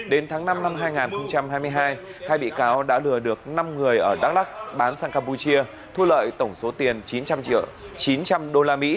đến tháng năm năm hai nghìn hai mươi hai hai bị cáo đã lừa được năm người ở đắk lắc bán sang campuchia thu lợi tổng số tiền chín trăm triệu chín trăm linh usd